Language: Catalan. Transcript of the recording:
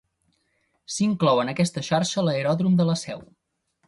S'inclou en aquesta xarxa l'aeròdrom de la Seu.